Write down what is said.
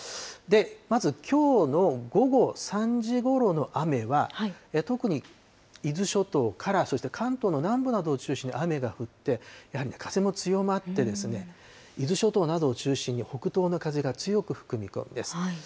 まずきょうの午後３時ごろの雨は、特に伊豆諸島から、そして関東の南部などを中心に雨が降って、やはりね、風も強まって、伊豆諸島などを中心に北東の風が強く吹く見込みです。